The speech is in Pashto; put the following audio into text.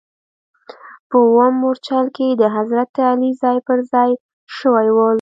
په اووم مورچل کې د حضرت علي ځاې پر ځا ې شوي ول.